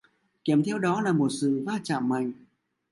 Kèm theo đó là một sự va chạm mạnh